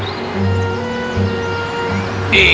ikan ajaib bisa dengar aku